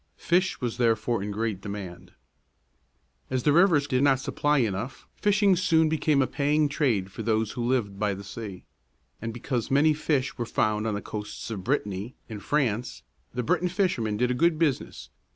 Fish was therefore in great demand. As the rivers did not supply enough, fishing soon became a paying trade for those who lived by the sea; and because many fish were found on the coasts of Brit´ta ny, in France, the Bret´on fishermen did a good business.